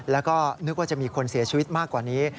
แล้วก็นึกว่าจะมีคนเสียชีวิตมากกว่านี้